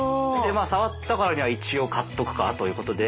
まあさわったからには一応買っとくかということで。